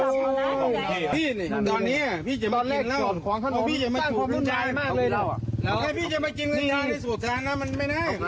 คุณมาจากไหนและคุณมาทำอะไรตัวนี้มันได้อะไรขึ้นแหม